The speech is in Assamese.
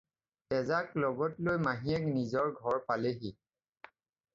তেজাক লগত লৈ মাহীয়েক নিজৰ ঘৰ পালেহি।